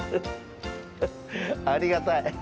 ありがたい。